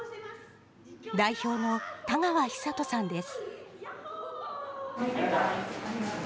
代表の田川尚登さんです。